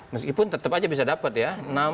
meskipun tetap aja bisa dapat ya